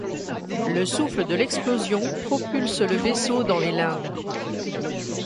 Le souffle de l'explosion propulse le vaisseau dans les limbes.